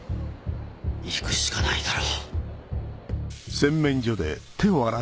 行くしかないだろ。